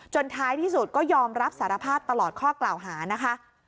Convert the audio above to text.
ท้ายที่สุดก็ยอมรับสารภาพตลอดข้อกล่าวหานะคะ